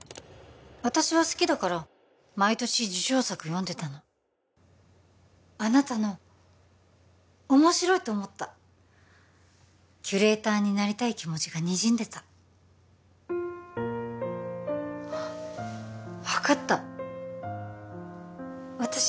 私は好きだから毎年受賞作読んでたのあなたの面白いと思ったキュレーターになりたい気持ちがにじんでたあっ分かった私